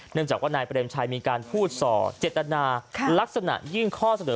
จากว่านายเปรมชัยมีการพูดส่อเจตนาลักษณะยิ่งข้อเสนอ